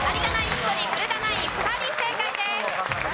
１人古田ナイン２人正解です。